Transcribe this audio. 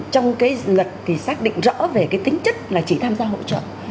trong cái luật thì xác định rõ về cái tính chất là chỉ tham gia hỗ trợ